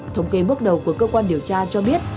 thống kê bước đầu của cơ quan điều tra cho biết